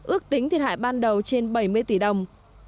ước tính thiệt hại ban đầu trên bảy mươi tỷ đồng